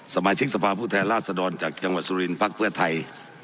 สมาชิกสภาพผู้แทนราชดรจากจังหวัดสุรินทร์พักเพื่อไทย